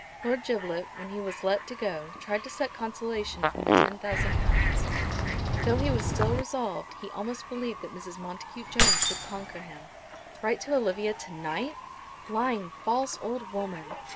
Lord Giblet, when he was let to go, tried to suck consolation from the £10,000. Though he was still resolved, he almost believed that Mrs. Montacute Jones would conquer him. Write to Olivia to night! Lying, false old woman!